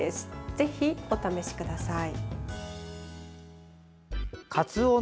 ぜひお試しください。